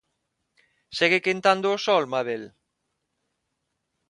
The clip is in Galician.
Segue quentando o sol, Mabel?